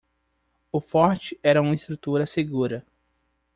O forte era uma estrutura segura.